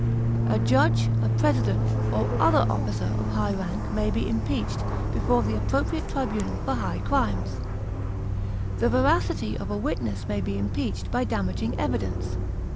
A judge, a president, or other officer of high rank may be impeached before the appropriate tribunal for high crimes; the veracity of a witness may be impeached by damaging evidence.